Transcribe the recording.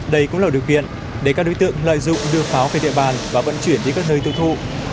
đây cũng là điều kiện để các đối tượng lợi dụng đưa pháo về địa bàn và vận chuyển đi các nơi tiêu thụ